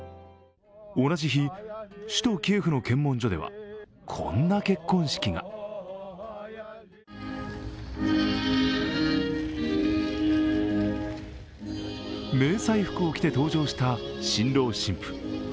同じ日、首都キエフの検問所ではこんな結婚式が迷彩服を着て登場した新郎新婦。